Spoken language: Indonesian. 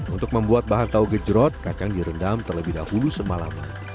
untuk membuat bahan tahu gejrot kacang direndam terlebih dahulu semalaman